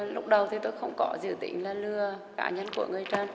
lúc đầu thì tôi không có dự tính là lừa cá nhân của người trần